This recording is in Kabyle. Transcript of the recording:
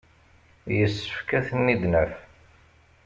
Yessefk ad ten-id-naf.